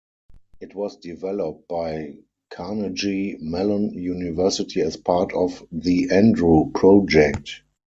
It was developed by Carnegie Mellon University as part of the Andrew Project.